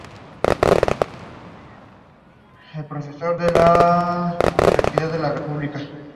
Fue llamado "Scooter Curtiss" y tenía un diseño de cabina cerrada.